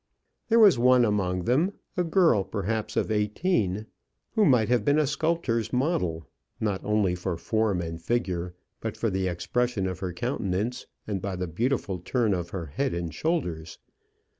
There was one among them, a girl, perhaps of eighteen, who might have been a sculptor's model, not only for form and figure, but for the expression of her countenance and the beautiful turn of her head and shoulders.